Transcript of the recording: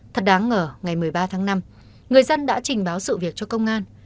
thật đáng ngờ ngày một mươi ba tháng năm người dân đã trình báo sự việc cho công an